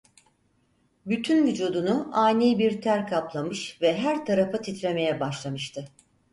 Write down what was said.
Bütün vücudunu ani bir ter kaplamış ve her tarafı titremeye başlamıştı.